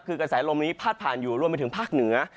คือกระแสลมนี้พาดผ่านอยู่รวมไปถึงภาคเหนือ